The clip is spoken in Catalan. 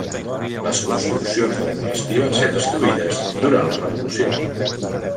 Les construccions del monestir van ser destruïdes durant la revolució.